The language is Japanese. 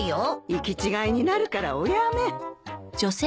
行き違いになるからおやめ。